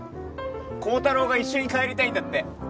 高太郎が一緒に帰りたいんだって。